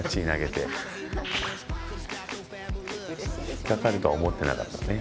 引っかかると思ってなかったね